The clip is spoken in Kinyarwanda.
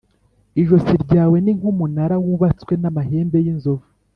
Ijosi ryawe ni nk’umunara wubatswe n’amahembe y’inzovu.